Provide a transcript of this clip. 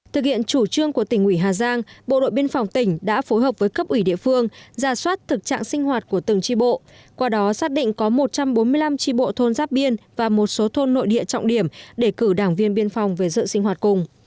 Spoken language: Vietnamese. thực hiện chủ trương của tỉnh ủy hà giang bộ đội biên phòng tỉnh đã phối hợp với cấp ủy địa phương ra soát thực trạng sinh hoạt của từng tri bộ qua đó xác định có một trăm bốn mươi năm tri bộ thôn giáp biên và một số thôn nội địa trọng điểm để cử đảng viên biên phòng về dự sinh hoạt cùng